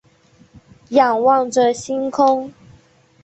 仰望着星空